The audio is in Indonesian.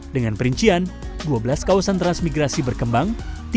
dengan perincian dua belas kawasan transmigrasi berkembang